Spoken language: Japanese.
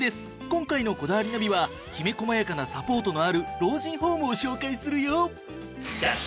今回の『こだわりナビ』はきめ細やかなサポートのある老人ホームを紹介するよ。